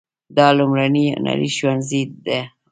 دا لومړنی هنري ښوونځی و.